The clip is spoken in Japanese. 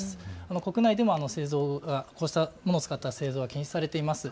国内でもこうしたものを使った製造は禁止されています。